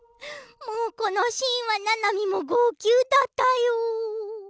もう、このシーンはななみも号泣だったよ。